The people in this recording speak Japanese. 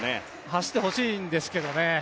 走ってほしいんですけどね。